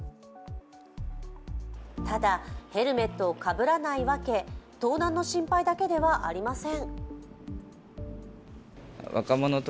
ただヘルメットをかぶらないわけ盗難の心配だけではありません。